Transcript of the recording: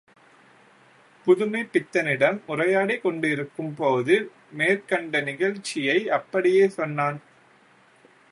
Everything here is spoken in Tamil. புதுமைப்பித்தனிடம் உரையாடிக் கொண்டிக்கும் போது மேற்கண்ட நிகழ்ச்சியை அப்படியே சொன்னேன்.